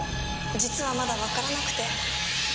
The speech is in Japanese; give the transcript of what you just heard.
実はまだ分からなくて。